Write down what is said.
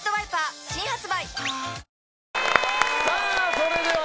それでは